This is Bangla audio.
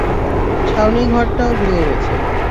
ছাউনিঘরটাও ভেঙে গেছে।